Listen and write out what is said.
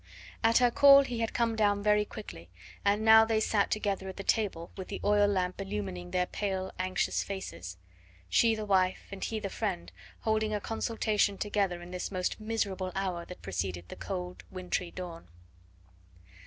At her call he had come down very quickly, and now they sat together at the table, with the oil lamp illumining their pale, anxious faces; she the wife and he the friend holding a consultation together in this most miserable hour that preceded the cold wintry dawn.